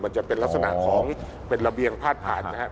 มันจะเป็นลักษณะของเป็นระเบียงพาดผ่านนะครับ